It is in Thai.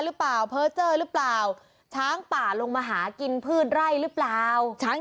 หรือเปล่าเพอร์เจอร์หรือเปล่าช้างป่าลงมาหากินพืชไร่หรือเปล่าช้าง